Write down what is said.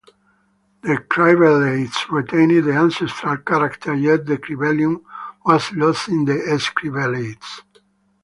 The cribellates retained the ancestral character, yet the cribellum was lost in the escribellates.